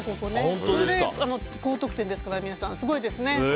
それで皆さん高得点ですから皆さんすごいですね。